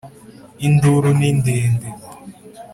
Induru ni ndende.